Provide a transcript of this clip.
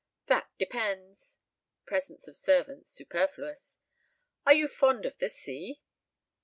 "That depends." (Presence of servants superfluous!) "Are you fond of the sea?"